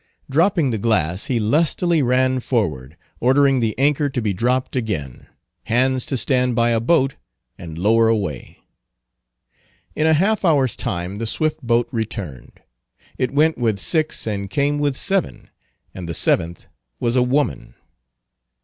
Dropping the glass, he lustily ran forward, ordering the anchor to be dropped again; hands to stand by a boat, and lower away. In a half hour's time the swift boat returned. It went with six and came with seven; and the seventh was a woman.